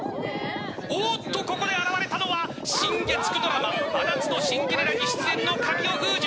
おっと、ここで現れたのは新月９ドラマ「真夏のシンデレラ」に出演の神尾楓珠。